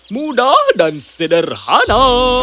mudah dan sederhana